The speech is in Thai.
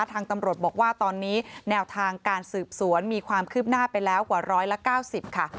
ทางตำรวจบอกว่าตอนนี้แนวทางการสืบสวนมีความคืบหน้าไปแล้วกว่า๑๙๐ค่ะ